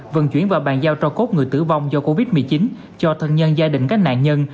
vận chuyển và bàn giao cho cốt người tử vong do covid một mươi chín cho thân nhân gia đình các nạn nhân